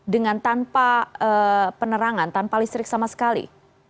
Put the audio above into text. dengan tanpa penerangan tanpa listrik sama sekali